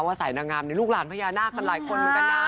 สายนางงามนี่ลูกหลานพญานาคกันหลายคนเหมือนกันนะ